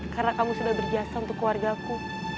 karena kamu sudah berjasa untuk keluarga ku